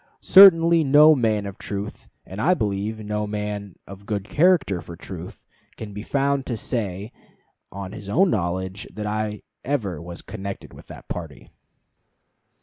Certainly no man of truth, and I believe no man of good character for truth, can be found to say on his own knowledge that I ever was connected with that party."